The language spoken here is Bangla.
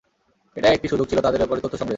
এটা একটি সুযোগ ছিল তাদের ব্যপারে তথ্য সংগ্রহের।